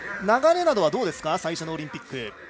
流れなどはどうですか最初のオリンピック。